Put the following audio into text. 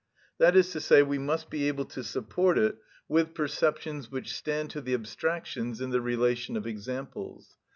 That is to say, we must be able to support it with perceptions which stand to the abstractions in the relation of examples.